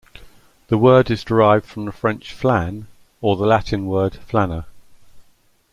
The word is derived from the French "flan"; or the Latin word "flana".